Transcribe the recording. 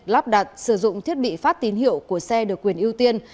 lắp đặt sử dụng thiết bị phát tín hiệu của xe được quyền ưu tiên